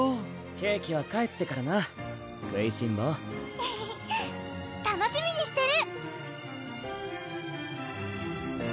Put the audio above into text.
ケーキは帰ってからな食いしん坊エヘヘ楽しみにしてる！